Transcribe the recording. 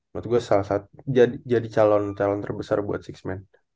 menurut gue salah satu jadi calon terbesar buat enam